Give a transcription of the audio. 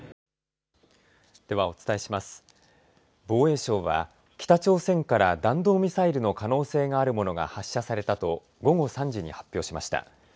防衛省は北朝鮮から弾道ミサイルの可能性があるものが発射されたと午後３時に発表しました。